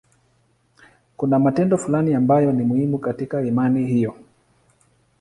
Kuna matendo fulani ambayo ni muhimu katika imani hiyo.